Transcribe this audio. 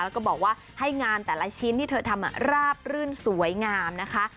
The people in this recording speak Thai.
แล้วก็บอกว่าให้งานแต่ละชิ้นที่เธอทำราบรื่นสวยงามนะคะ